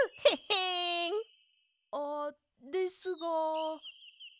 あですが。